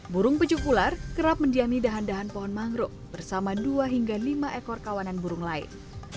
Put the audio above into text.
burung pecuk ular kerap mendiami dahan dahan pohon mangrove bersama dua hingga lima ekor kawanan burung lain